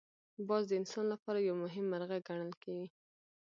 باز د انسان لپاره یو مهم مرغه ګڼل کېږي